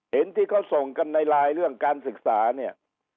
ที่เขาส่งกันในไลน์เรื่องการศึกษาเนี่ย